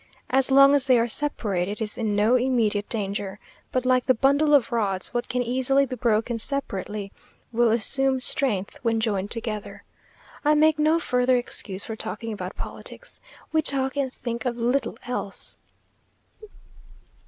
As long as they are separate, it is in no immediate danger; but like the bundle of rods, what can easily be broken separately, will assume strength when joined together. I make no further excuse for talking about politics. We talk and think of little else.